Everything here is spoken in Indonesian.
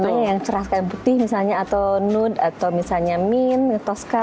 warnanya yang cerah sekalian putih misalnya atau nude atau misalnya mint toska